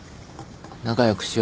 仲良くしようぜ。